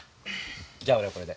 じゃあ俺はこれで。